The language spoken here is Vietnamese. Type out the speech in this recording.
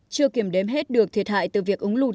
chưa kiểm đếm hết được thiệt hại từ việc ống lụt